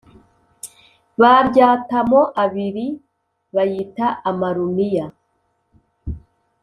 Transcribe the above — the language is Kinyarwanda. Baryatamo abiri, bayita amarumiya;